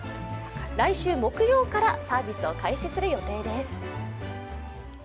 来週木曜からサービスを開始する予定です。